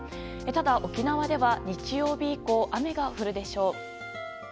ただ、沖縄では日曜日以降、雨が降るでしょう。